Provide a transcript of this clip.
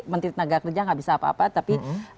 menteri tenaga kerja nggak bisa apa apa tapi